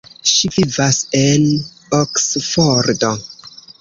Ŝi vivas en Oksfordo.